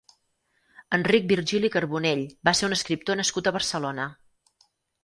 Enric Virgili Carbonell va ser un escriptor nascut a Barcelona.